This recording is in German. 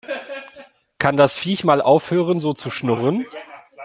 Kann das Viech mal aufhören so zu schnurren?